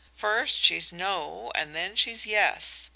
First, she's no and then she's yes.